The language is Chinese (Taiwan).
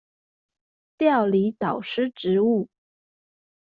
調離導師職務